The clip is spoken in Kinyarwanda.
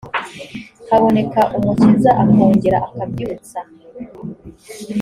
haboneka umukiza akongera akabyutsa